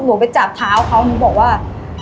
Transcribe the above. หนูไปจับเท้าเขาหนูบอกว่า